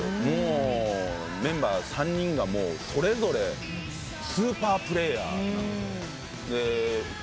もうメンバー３人がそれぞれスーパープレーヤーなので。